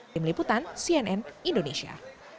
tim liputan cnn indonesia